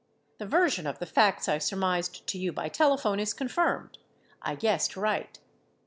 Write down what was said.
The version of the facts I surmised to you by telephone is confirmed. I guessed "right."